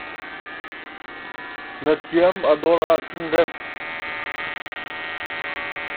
Na thiam a dor ahcun remh.